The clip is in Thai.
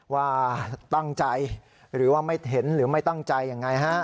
ว่าตั้งใจหรือว่าไม่เห็นหรือไม่ตั้งใจยังไงฮะ